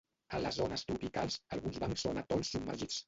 A les zones tropicals, alguns bancs són atols submergits.